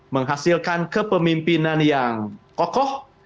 menghasilkan kepemimpinan yang kokoh